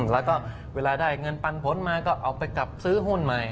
แล้วก็เวลาได้เงินปันผลมาก็เอาไปกลับซื้อหุ้นใหม่